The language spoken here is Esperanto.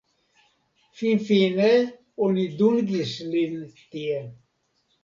Finfine oni dungis lin tie.